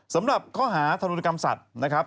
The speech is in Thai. สำหรับข้อหาธรุณกรรมสัตว์นะครับ